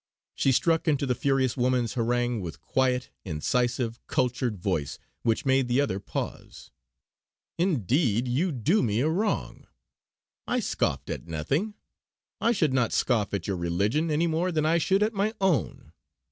She struck into the furious woman's harangue with quiet, incisive, cultured voice which made the other pause: "Indeed you do me a wrong; I scoffed at nothing. I should not scoff at your religion any more than I should at my own.